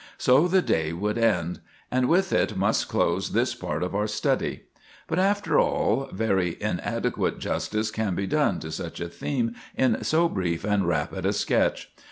So the day would end; and with it must close this part of our study. But, after all, very inadequate justice can be done to such a theme in so brief and rapid a sketch.